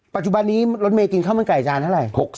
ปัจจุบันนี้รถเมย์กินข้าวมันไก่จานเท่าไหร่